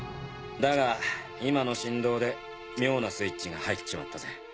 だが今の振動で妙なスイッチが入っちまったぜ。